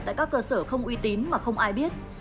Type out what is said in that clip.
tại các cơ sở không uy tín mà không ai biết